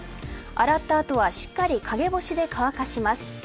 洗った後はしっかり陰干して乾かします。